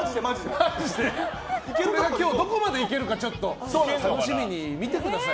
今日どこまでいけるか楽しみに見てください。